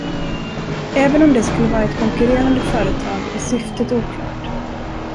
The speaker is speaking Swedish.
Även om det skulle vara ett konkurrerande företag är syftet oklart.